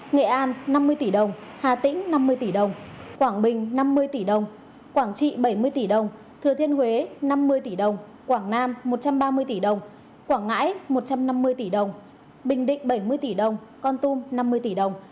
nghệ an năm mươi tỷ đồng hà tĩnh năm mươi tỷ đồng quảng bình năm mươi tỷ đồng quảng trị bảy mươi tỷ đồng thừa thiên huế năm mươi tỷ đồng quảng nam một trăm ba mươi tỷ đồng quảng ngãi một trăm năm mươi tỷ đồng bình định bảy mươi tỷ đồng con tum năm mươi tỷ đồng